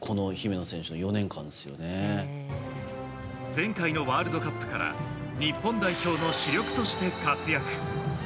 前回のワールドカップから日本代表の主力として活躍。